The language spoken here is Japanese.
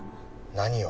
何を？